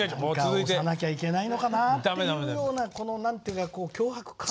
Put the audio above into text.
時間押さなきゃいけないのかなっていうようなこの何ていうか強迫観念。